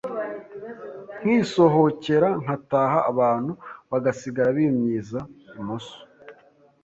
nkisohokera nkataha, abantu bagasigara bimyiza imoso